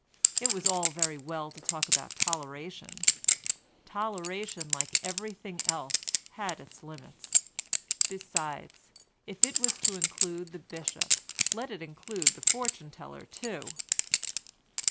It was all very well to talk about toleration; toleration, like everything else, had its limits; besides, if it was to include the bishop let it include the fortune teller too."